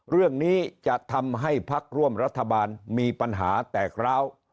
เรื่องนี้จะทำให้พักร่วมรัฐบาลมีปัญหาแตกร้าว